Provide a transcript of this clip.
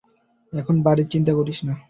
এখন বাড়ির চিন্তা করিস না।